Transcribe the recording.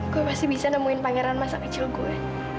gue masih bisa nemuin pangeran masa kecil gue